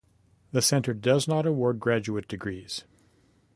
The Center does not award graduate degrees.